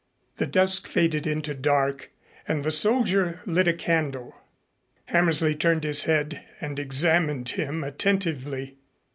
The dusk faded into dark and the soldier lit a candle. Hammersley turned his head and examined him attentively.